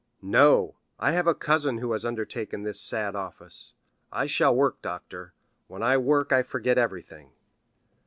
"No; I have a cousin who has undertaken this sad office. I shall work, doctor—when I work I forget everything."